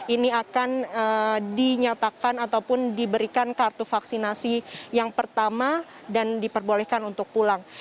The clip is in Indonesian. ini akan dinyatakan ataupun diberikan kartu vaksinasi yang pertama dan diperbolehkan untuk pulang